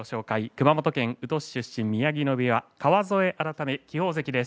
熊本県宇土市出身、宮城野部屋川副改め輝鵬関です。